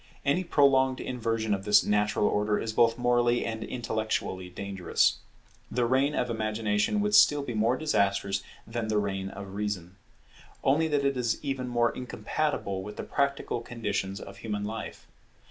Any prolonged inversion of this natural order is both morally and intellectually dangerous. The reign of Imagination would be still more disastrous than the reign of Reason; only that it is even more incompatible with the practical conditions of human life.